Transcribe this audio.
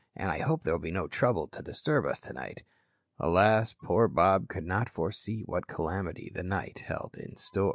And I hope there'll be no trouble to disturb us tonight." Alas, poor Bob could not foresee what calamity the night held in store.